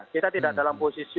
kita tidak dalam posisi